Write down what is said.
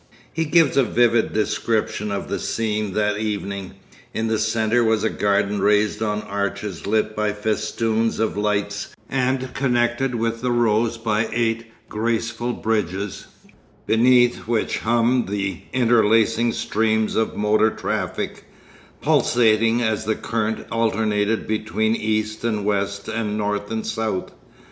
He gives a vivid description of the scene that evening. In the centre was a garden raised on arches lit by festoons of lights and connected with the Rows by eight graceful bridges, beneath which hummed the interlacing streams of motor traffic, pulsating as the current alternated between east and west and north and south.